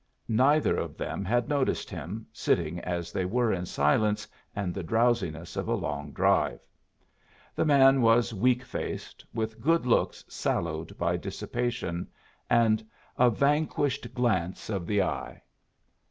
Neither of them had noticed him, sitting as they were in silence and the drowsiness of a long drive. The man was weak faced, with good looks sallowed by dissipation, and a vanquished glance of the eye.